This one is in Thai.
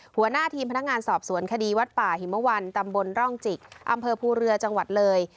หัวหน้าทีมพนักงานสอบสวนคดีวัดป่าหิมวันตำบลร่องจิกอำเภอภูเรือจังหวัดเลย